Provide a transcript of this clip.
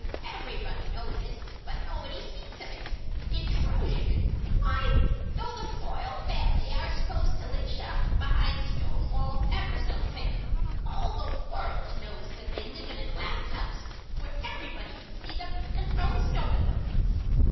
Everybody knows it, but nobody speaks of it. Intrusion! Why, though the royal family are supposed to live shut up behind stone walls ever so thick, all the world knows that they live in a glass house where everybody can see them and throw a stone at them.